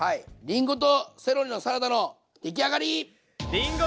りんごとセロリのサラダの出来上がり！